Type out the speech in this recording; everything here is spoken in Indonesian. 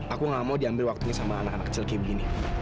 aku gak mau diambil waktunya sama anak anak kecil kayak begini